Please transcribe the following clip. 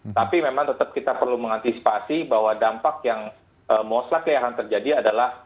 tapi memang tetap kita perlu mengantisipasi bahwa dampak yang muslak yang akan terjadi adalah